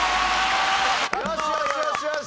よしよしよしよし！